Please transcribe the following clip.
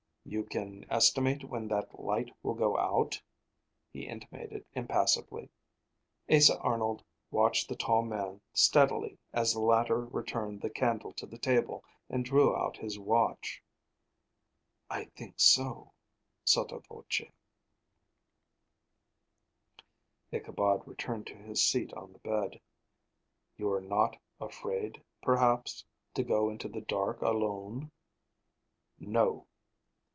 "You can estimate when that light will go out?" he intimated impassively. Asa Arnold watched the tall man, steadily, as the latter returned the candle to the table and drew out his watch. "I think so," sotto voce. Ichabod returned to his seat on the bed. "You are not afraid, perhaps, to go into the dark alone?" "No."